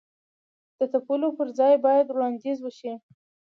د تپلو پر ځای باید وړاندیز وشي.